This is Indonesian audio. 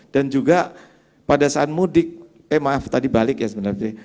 dan juga pada saat mudik eh maaf tadi balik ya sebenarnya